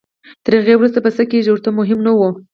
تر هغې وروسته به څه کېږي ورته مهم نه وو.